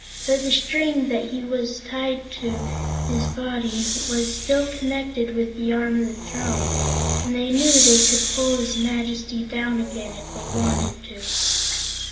But the string that was tied to his body was still connected with the arm of the throne, and they knew they could pull his Majesty down again, if they wanted to.